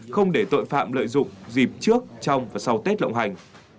không để tội phạm lợi dụng dịp trước trong và sau tết lộng hành